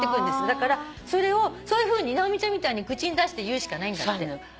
だからそれをそういうふうに直美ちゃんみたいに口に出して言うしかないんだって。